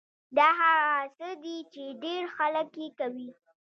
دا هغه څه دي چې ډېر خلک يې کوي.